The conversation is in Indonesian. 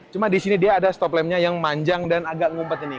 cuma disini dia ada stop lampnya yang manjang dan agak ngumpet ini